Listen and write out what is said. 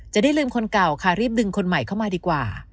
จะได้ลืมคนเก่าค่ะรีบดึงคนใหม่เข้ามาดีกว่า